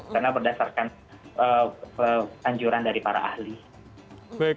karena berdasarkan anjuran dari para ahli